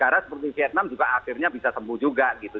negara seperti vietnam juga akhirnya bisa sembuh juga gitu